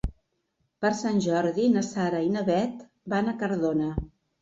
Per Sant Jordi na Sara i na Bet van a Cardona.